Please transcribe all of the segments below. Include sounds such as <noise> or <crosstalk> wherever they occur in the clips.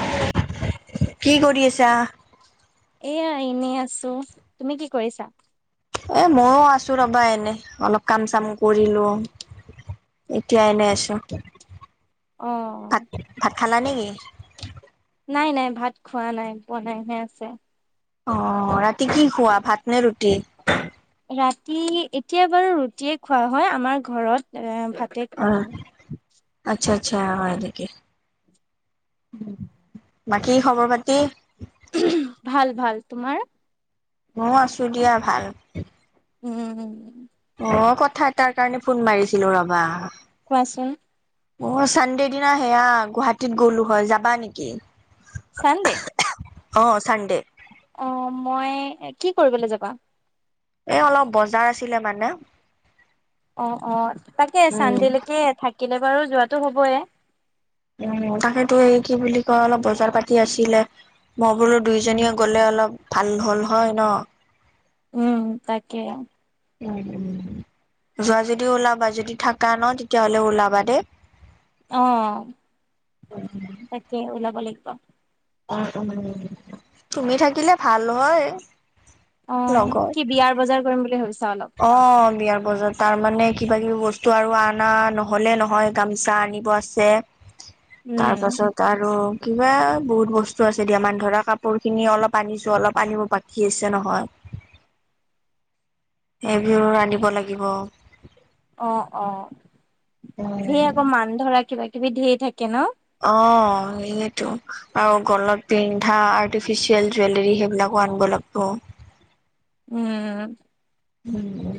Hello কি কৰি আছা এয়া এনেই আছো তুমি কি কৰিছা এ মইও আছো ৰবা এনে অলপ কাম চাম কৰিলো। এতিয়া এনে আছো। অ ভাত ভাত খালা নেকি নাই নাই ভাত খোৱা নাই বনাইহে আছে অ ৰাতি কি খোৱা ভাত নে ৰুটি? ৰাতি এতিয়া বাৰু ৰুটিয়ে খোৱা হয় আমাৰ ঘৰত এ ভাতে অ খোৱাে হয়। আচ্ছা আচ্ছা হয় নেকি বাকী খবৰ পাতি ভাল ভাল তোমাৰ মও আছোঁ দিয়া ভাল। উম উম অ কথা এটাৰ কাৰণে ফোন মাৰিছিলো ৰবা। কোৱাচোন অ চানডে দিনা সেয়া গুৱাহাটীত গ'লো হয় যাবা নেকি? চান্দে অ চান্দে অ মই কি কৰিবলে যাবা এ অলপ বজাৰ আছিলে মানে অ অ তাকে উম চান্দে লেকে থাকিলে বাৰু যোৱাটো হ'বয়ে উম তাকেতো এই কি বুলি কয় অলপ বজাৰ পাতি আছিলে মই বোলো দুয়োজনীয়ে গ'লে অলপ ভাল হ'ল হয় ন উম তাকে উ যোৱা যদি ওলাবা যদি থাকা ন তেতিয়াহ'লে ওলাবা দেই অ তাকে ওলাব লাগিব উম উম তুমি থাকিলে ভাল হয় অ লগত। কি বিয়াৰ বজাৰ কৰিম বুলি ভাবিছ অ বিয়াৰ বজাৰ তাৰমানে কিবা কিবি বস্তু আৰু আনা নহ'লে নহয় গামোচা আনিব আছে উম তাৰ পাছত আৰু কিবা বহুত বস্তু আছে দিয়া মান ধৰা কাপোৰ খিনি অলপ আনিছো অলপ আনিব বাকী আছে নহয়। সেইবোৰ ৰান্ধিব লাগিব অ অ সেই উম। আক মান ধৰা কিবা কিবি ধেই থাকে ন। অ সেতো আৰু গলত পিন্ধা আৰ্টিফিচিয়েল জুৱেলৰী সেইবিলাক কো‌ আনব লাগব উম উম উম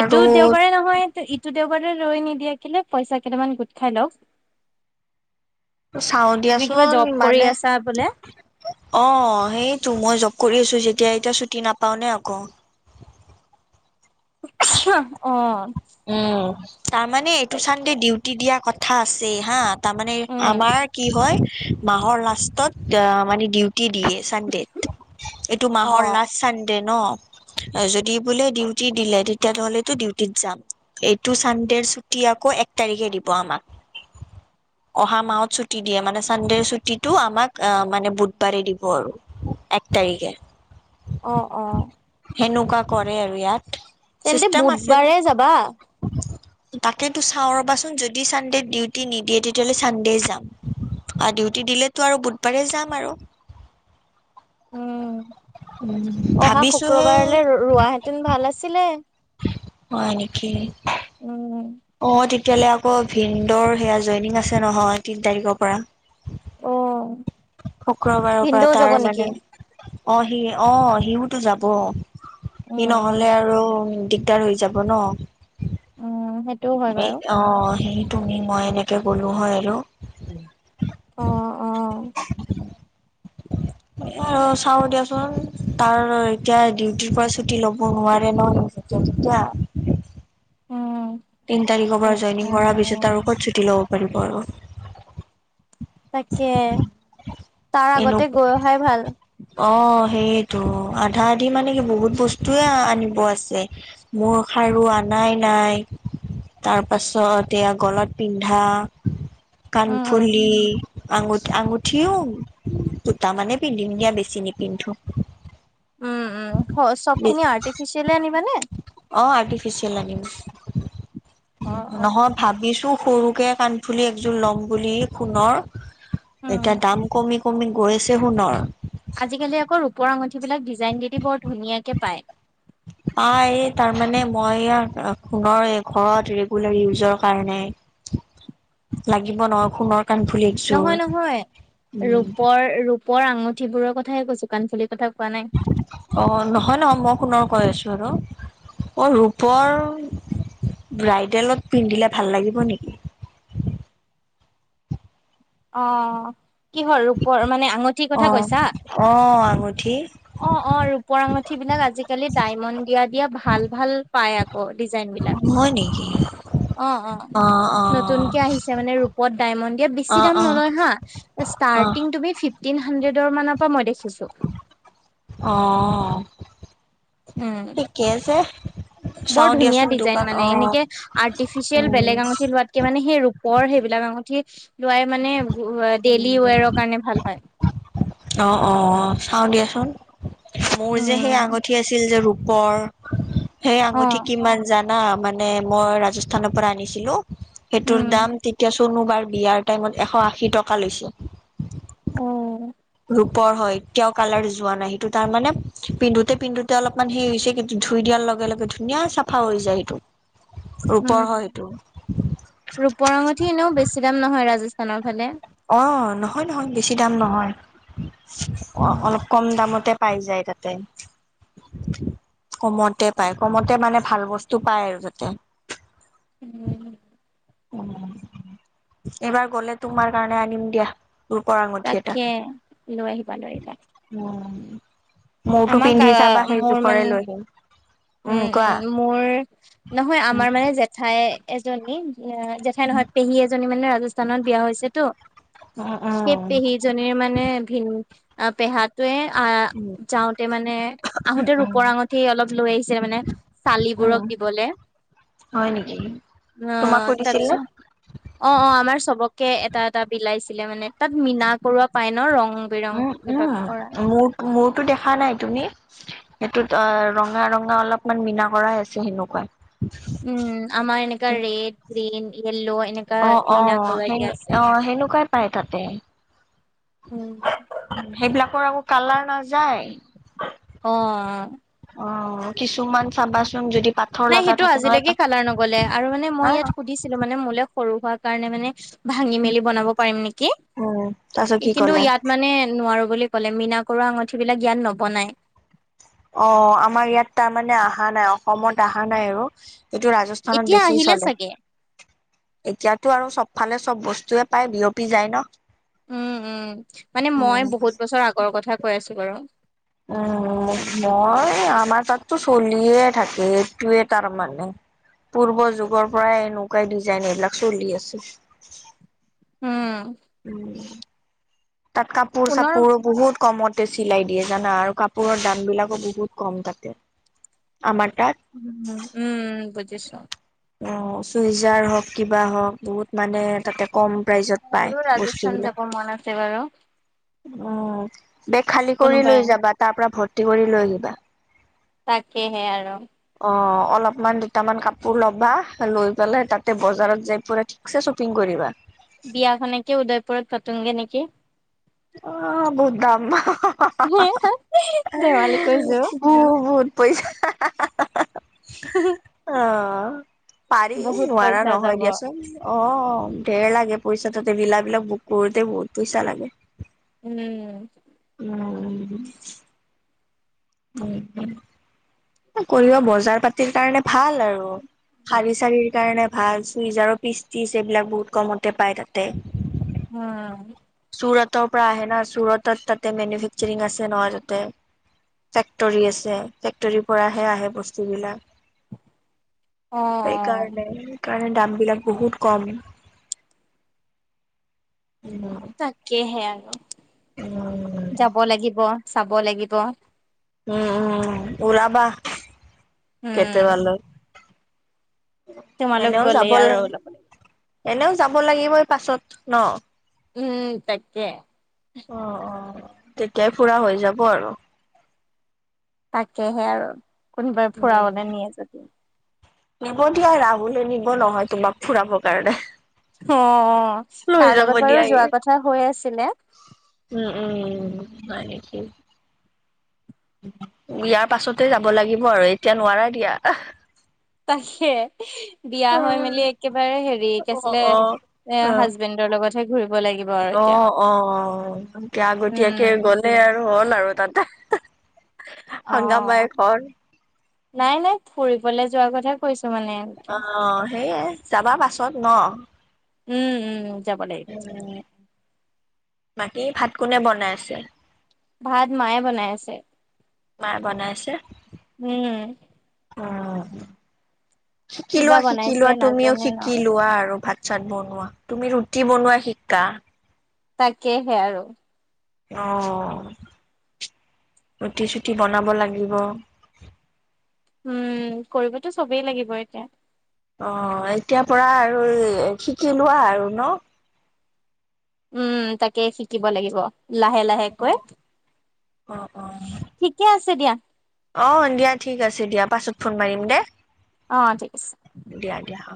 এইটো দেওবাৰে নহয় ইটো দেওবাৰে ৰৈ নিদিয়া কেলে পইচা কেইটামান গোট খাই লওক চাও তুমি কিবা দিয়াচোন জব কৰি মানে আছা বোলে অ সেইটো মই জব কৰি আছোঁ যেতিয়া এতিয়া ছুটি নাপাওঁ নে আক উমচ, অঁ উম তাৰমানে এইটো চানডে ডিউটি দিয়া কথা আছে হা তামানে উম আমাৰ কি হয় মাহৰ লাষ্টত অ মানে ডিউ টী দিয়ে চানডেত, এইটো অ মাহৰ লাষ্ট চানডে ন। যদি বোলে ডিউটি দিলে তেতিয়াহলেতো ডিউটিত যাম। এইটো চানডেৰ ছুটি আকৌ এক তাৰিখে দিব আমাক। অহা মাহত ছুটি দিয়ে, মানে চানডেৰ ছুটিটো আমাক আহ মানে বুধবাৰে দিব আৰু। এক তাৰিখে। অ অ সেনেকুৱা কৰে আৰু ইয়াত। তেন্তে চিষ্টেম আছে মানে বুধবাৰে যাবা তাকেতো চাওঁ ৰবাচোন যদি চানডে ডিউটি নিদিয়ে, তেতিয়াহ'লে চানডে যাম। আ ডিউটি দিলেতো আৰু বুধবাৰে যাম আৰু। উম উম, অহা ভাবিছোহে শুক্ৰবাৰলৈ ৰোৱাহেঁতেন ভাল আছিলে। হয় নিকি? উম। অ তেতিয়াললে আকৌ ভিনন্দৰ সেয়া জইনিং আছে নহয়, তিন তাৰিখৰ পৰা। অ শুক্ৰবাৰৰ পৰা ভিনদেউ যাব তাৰ নেকি মানে, অ সি অ সিওতো যাব। সি উম উম নহলে আৰু দিগদাৰ হৈ যাব ন। উম হে হেই অ সেই তুমি মই এনেকে গ'লো হয় আৰু। অহ অহ। <inaudible> আৰু চাও দিয়াচোন তাৰ এতিয়া ডিউটিৰ পৰা ছুটি লব নোৱাৰে ন। উম তেতিয়া। উম তিন তাৰিখৰ পৰা জইনিং কৰাৰ পিছতে কত ছুটি ল'ব পাৰিব আৰু। তাকে, তাৰ এনো আগতে গৈ অহাই ভাল। অ' সেইটো আধা আধি মানে কি বহুত বস্তুয়ে আনিব আছে, মোৰ খাৰু আন নাই নাই তাৰপাছত এয়া গলাত পিন্ধা উম। কাণফুলি, আঙুঠি আঙুঠিও দুটামানে পিন্ধিম দিয়া বেছি নিপিন্ধোঁ। উম উ চব খিনি আৰ্টিফিচিয়েল আনিবানে? ফিচিয়েল আনিম, অ', অ', নহয় ভাবিছো সৰুকে কাণফুলি একযোৰ লম বুলি সোণৰ, উম, এতিয়া দাম কমি কমি গৈছে সোণৰ। আজিকালি আকৌ ৰূপৰ আঙঠিবিলাক ডিজাইন দিদি বৰ ধুনীয়াকে পায়। আ এই তাৰ মানে মই ইয়াক সোনৰ ঘৰত ৰেগুলাৰ ইউজৰ কাৰণে। লাগিব ন সোণৰ কাণফুলি একযোৰ নহয় নহয় উম ৰূপৰ ৰূপৰ আঙুঠিবোৰৰ কথাইে কৈছো কাণফুলি পাঠক। অ নহয় ন মই সোণৰ কৈ আছো। ধৰক, মই ৰূপৰ ব্ৰাইডেলত পিন্ধিলে ভাল লাগিব নেকি? অ কিহল ৰূপৰ মানে আ আঙঠি অ কথা কৈছা? অ আঙুঠি অ অ ৰূপৰ আঙুঠি বিলাক আজি আজিকালি ডায়মণ্ড দিয়া দিয়া ভাল ভাল পাই আকৌ। ডিজাইন বিলাক। হয় নি? অ অ। নতুনকে আহিছে মানে ৰূপত ডায়মণ্ড দিয়া, বেছি অ দাম অ নলয় হা অ ষ্টাৰ্টিং তুমি ফি টিন হাণ্ডেডৰ মানৰ পৰা মই দেখ অ উম ঠিকেই আছে। বৰ চাও ধুনীয়া দিয়াচোন ডিজাইন দোকান মানে, অ এনেকে আৰ্টিফিচিয়েল উম বেলেগ আঙঠি লোৱাতকে মানে সেই ৰূপৰ সেইবিলাক আঙুঠি লোৱাই মানে ডেইলি উম ৱেৰৰ কাৰণে ভাল হয়। অ অ চাও দিয়াচোন। মোৰ যে সেই উম আঙুঠি আছিল যে ৰূপৰ সেই অ আঙুঠি কিমান জান। না মানে মই ৰাজস্থানৰ পৰা আনিছিলো সেইটোৰ উম দাম তেতিয়া চনো বাৰ বিয়াৰ। টাইমত এশ আশী টকা লৈছে। উম। ৰূপ হয় এতিয়াও কালাৰ যোৱা নাই সেইটো তাৰ মানে পিন্ধোতে পিন্ধোতে অলপ হে হৈছে ধুই দিয়া। লগে লগে ধুনীয়া চাফা হৈ যায় সেইটো। উম ৰূপৰ হয় সেইটো ৰূপৰ আঙঠি এনেও বেছি দাম নহয় ৰাজস্থানৰ ফালে। অ নহয় নহয় বেছি দাম নহয় অ উম অলপ কম দামতে। পাই যায় তাতে। কমতে পায় কমতে মানে ভাল বস্তু পায় আৰু যাতে। <unintelligible> এইবাৰ গলে তোমাৰ কাৰণে আনিম দিয়া। ৰূপৰ আঙঠি এটা তাকে লৈ আহিবা লৈ আহিবা উম। মূৰটো আমাক পিন্ধি চাবা সেই মোৰ মানে জোখৰে লৈ আহিম। উম উম মোৰ নহয় উম আমাৰ মানে জেঠাই এজনী। এ জেঠাই নহয় পেহী এজনী মানে ৰাজস্থানত বিয়া হৈছেতো। সেই উম পেহীজনীৰ মানে ভিন। অ পেহাটোৱে আহ উম যাওঁতে মানে আহোতে উম ৰূপৰ আঙঠি অলপ লৈ আহিছে। মানে চালিবোৰক উম, দিবলৈ। হয় নেকি অ তোমাকো দিছিল ন তাৰপিছত অ অ আমাৰ চবকে এটা এটা বিল। লাইছিলে মানে তাত মিনা কৰোৱা পাই ন ৰং। বিৰং উম উম কিবা কৰা মোৰ মোৰতো দেখা নাই তুমি। সেইটোত অ ৰঙা ৰঙা অলপমান মীনা কৰাই আছে সেনেকুৱাই। উম আমাৰ এনেকা ৰেড গ্ৰীন ইয়েললউ অ অ সে অ সেনেকুৱাই পায় তাতে। উম। পৰা আকৌ কালাৰ নাযায়। অ। অ কিছুমান চাবাচোন যদি। পাথৰ নাই লগা সেইটো থাকে নহয় আজিলৈকে কালাৰ নগলে হা সৰু হোৱা কাৰণে মানে। ভাঙি মেলি বনাব পাৰিম নেকি উম তাৰপিছত কি কিন্তু ক'লে ইয়াত মানে নোৱাৰো বুলি। কলে মীনা কৰোৱা আঙুঠি বিলাক ইয়াত নবনাই। অ আমাৰ ইয়াত তাৰমানে আহা নাই অসমত আহা নাই আৰু। এইটো ৰাজস্থানত এতিয়া বেছি আহিলে চলে। চাগে এতিয়াতো আৰু চবফালে চব বস্তুয়ে পায় বিয়পি যায় নহঁ। উম উম মানে মই বহুত বছৰ আগৰ কথা কৈ আছো বাৰু। উম। মই আমাৰ তাততো চলিয়ে থাকে একটোৱে তাৰ মানে। পূৰ্ব যুগৰ পৰাই এনেকুৱাই ডিজাইন এইবিলাক চলি আছে। উম। উ তাত কাপোৰ পুনৰ চাপোৰ বহুত। কমতে চিলাই দিয়ে জানা আৰু কাপোৰৰ দাম বিলাকো বহুত কম তাতে আমাৰ। তাত। উম উম বুজিছো। অ চুইজাৰ হওক কিবা হওক বহুত। মানে তাতে কম প্ৰাইজত পায় মোৰো ৰাজস্থান যাব বস্তুবিলাক। মন আছে বাৰু উম বেগ খালী কৰি কোনোবাই লৈ যাবা তাৰ পৰা ভৰ্তি কৰি লৈ আহিবা তাকেহে আৰু। অ অলপমান দুটামান কাপোৰ ল'বা লৈ পেলাই তাতে বজাৰত যাই পুৰা ঠিকছে শ্বপিং কৰিবা। বিয়াখনকে উদয়পুৰত পাতোংগে নেকি? অ বহুত দাম। হে হে হে ধেমালি কৰিছোঁ বহুত পইচা, অহঁ পাৰি বহুত নোৱাৰা পইচা নহয় যাব দিয়াচোন। অ ধেৰ লাগে পইচা তীতে বিলাবলাক বুক কৰোতে বহুত পইচা লাগে। উম। উম। কৰিব বজাৰ পাতিৰ কাৰণে ভাল আৰু। শাৰী চাৰীৰ কাৰণে ভাল চুইজাৰৰ পিচ তিছ এইবিলাক বহুত কমতে পায় তাতে। উম। চুৰটৰ পৰা আহে ন চুৰতত তাতে মেনুফেকচাৰিং আছে নহ তাতে। <unintelligible> ফেক্টৰী আছে ফেক্টৰী কৰাহে আহে বস্তু বিলাক অ', সেইকাৰণে। কাৰণ দাম বিলাক বহুত কম। তাকেহে, আৰু উম উম যাব লাগিব চাব লাগিব। উম উম উলাবা, কেতিবা উম। লৈ। তোমালোক গ'লেই লাগে আৰু এনেও যাব লাগিবই পাছত ন। উম তাকে। অ অ তেতিয়াই ফুৰা হৈ যাব আৰু। তাকেহে আৰু, কোনোবাই ফুৰাবলৈ উম নিয়ে যদি। নিব দিয়া ৰাহুলে নিব নহয় তোমাক ফুৰাব কাৰণে। অ, লৈ তাৰ যাব লগত বাৰু দিয়া ই যোৱা কথা হৈ আছিলে। উম উম উম তাকেতো ইয়াৰ পাছতে যাব লাগিব আৰু এতিয়া নোৱাৰা দিয়া। তাকে বিয়া, অ হৈ মেলি একেবাৰে হেৰি কে অ আছিলে। এ অ, হাজবেণ্ডৰ লগতহে ঘুৰিব লাগিব আৰু অ এতিয়া, অ আগতীয়াকে উম, গ'লে আৰু। আৰু তাতে, হগামাই অ'। ঘৰ। <unintelligible> নাই নাই ফুৰিবলৈ যোৱা কথা কৈছো। মানে, অ সেইয়েই যাবা পাছত ন। উম উম যাব লাগি উম বাকী ভাত কোনে বনাই আছে। ভাত মায়ে বনাই আছে। মায়ে বনাইছে উম আহ। কিবা শিকিলোৱা শিকি বনাইছে লোৱা তুমিও নাজানে ন শিকি লোৱা আৰু ভাত। চাত বনোৱা তুমি ৰুটি বনোৱা শিকা। তাকেহে আৰু। আহ। ৰুটি চুটি বনাব লাগিব। উম কৰিবতো চবেই লাগিব এতিয়া। অ এতিয়া পৰা আৰু শিকি লোৱা আৰু ন। উম তাকে শিকিব লাগিব। লাহে লাহে অ', কৈ, অ', ঠিকে আছে দিয়া। অ দিয়া ঠিক আছে দিয়া পাছত ফোন মাৰিম দে। অ ঠিক আছে। দিয়া দিয়া অ'।